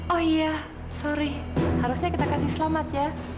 oh iya sorry harusnya kita kasih selamat ya